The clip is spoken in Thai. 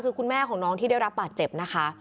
คือคุณแม่ของน้องที่ได้รับบาดเจ็บนะคะ